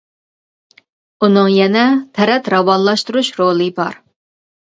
ئۇنىڭ يەنە تەرەت راۋانلاشتۇرۇش رولى بار.